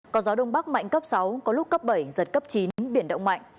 có gió đông bắc mạnh cấp sáu có lúc cấp bảy giật cấp chín biển động mạnh